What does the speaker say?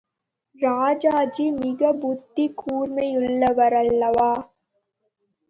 ராஜாஜி மிக புத்தி கூர்மையுள்ளவரல்லவா?